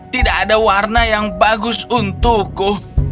tidak ada warna yang bagus untukku